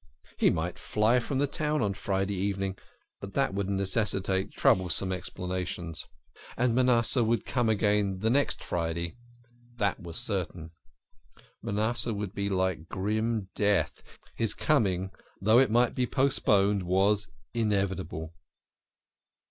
He might fly from the town on Friday evening, but that would necessitate trouble THE KING OF SCHNORRERS. 21 some explanations. And Manasseh would come again the next Friday. That was certain. Manasseh would be like grim death his coming, though it might be postponed, was inevitable.